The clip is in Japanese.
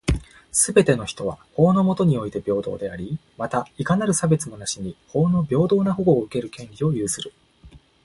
すべての人は、法の下において平等であり、また、いかなる差別もなしに法の平等な保護を受ける権利を有する。